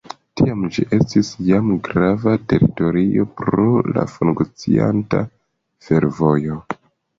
Tiam ĝi estis jam grava teritorio pro la funkcianta fervojo.